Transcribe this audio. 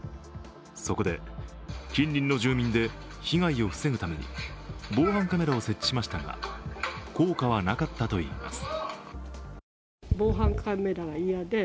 そこで近隣の住民で被害を防ぐために防犯カメラを設置しましたが効果はなかったといいます。